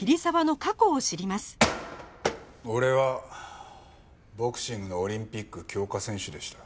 俺はボクシングのオリンピック強化選手でした。